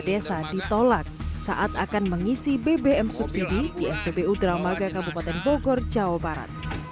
desa ditolak saat akan mengisi bbm subsidi di spbu dramaga kabupaten bogor jawa barat